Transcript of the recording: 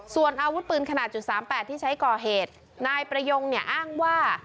ส่วนอาวุธปืนขนาดจุดสามแปดที่ใช้ก่อเหตุนายประยงเนี่ยอ้างว่า